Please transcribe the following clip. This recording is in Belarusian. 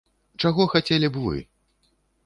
Чаго хацелі б вы?